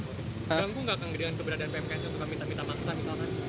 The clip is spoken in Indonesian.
ganggu nggak dengan keberadaan pmks yang suka minta minta maksa misalnya